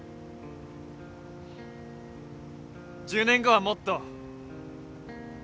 １０年後はもっと。